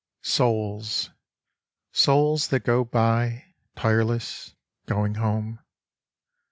Souls. Souls that go by Tireless. Going home.